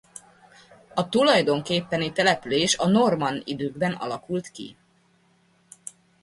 A tulajdonképpeni település a normann időkben alakult ki.